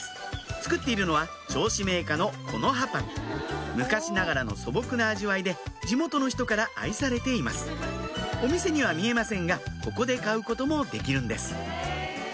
作っているのは銚子銘菓の「木の葉パン」昔ながらの素朴な味わいで地元の人から愛されていますお店には見えませんがここで買うこともできるんです